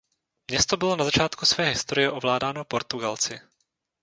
Město bylo na začátku své historie ovládáno Portugalci.